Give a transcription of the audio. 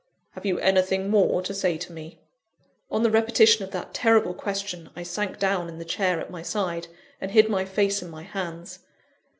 "Have you anything more to say to me?" On the repetition of that terrible question, I sank down in the chair at my side, and hid my face in my hands.